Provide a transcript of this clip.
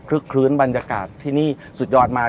คลื้นบรรยากาศที่นี่สุดยอดมาก